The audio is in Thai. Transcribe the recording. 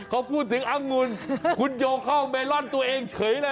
เขาพูดถึงอังุ่นคุณโยเข้าเมลอนตัวเองเฉยเลย